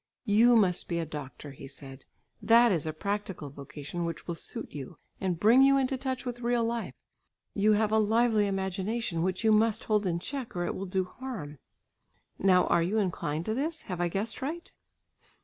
"You must be a doctor," he said. "That is a practical vocation which will suit you, and bring you into touch with real life. You have a lively imagination which you must hold in check, or it will do harm. Now are you inclined to this? Have I guessed right?"